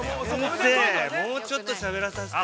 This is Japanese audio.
◆先生、もうちょっとしゃべらさせてよ。